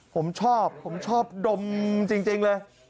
ผมชอบผมชอบดมจริงเลย